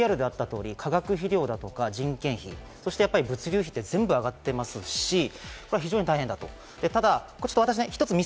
ＶＴＲにあった通り、化学肥料とか人件費、物流費、全部上がってますし、非常に大変だと。